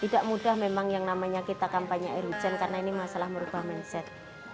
tidak mudah memang yang namanya kita kampanye air hujan karena ini masalah merubah mindset